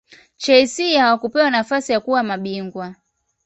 chelsea hawakupewa nafasi ya kuwa mabingwa